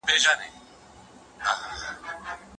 د محصلینو لیلیه سمدلاسه نه تطبیقیږي.